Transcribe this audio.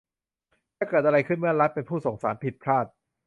จะเกิดอะไรขึ้นเมื่อรัฐเป็นผู้ส่งสารผิดพลาด !